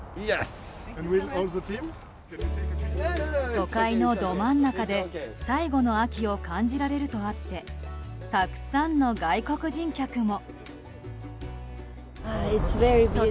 都会のど真ん中で最後の秋を感じられるとあってたくさんの外国人客も。